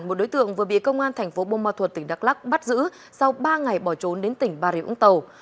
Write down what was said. một đối tượng vừa bị công an thành phố bông ma thuột tỉnh đắk lắc bắt giữ sau ba ngày bỏ trốn đến tỉnh bà rịa vũng tàu